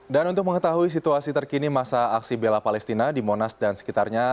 dan untuk mengetahui situasi terkini masa aksi bela palestina di monas dan sekitarnya